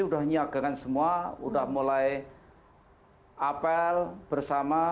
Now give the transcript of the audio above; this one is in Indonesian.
sudah niagakan semua sudah mulai apel bersama